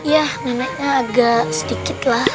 ya neneknya agak sedikit lah